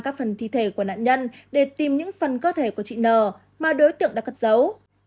các phần thi thể của nạn nhân để tìm những phần cơ thể của chị n mà đối tượng đã cất giấu